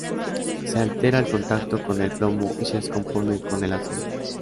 Se altera al contacto con el plomo y se descompone con el ácido.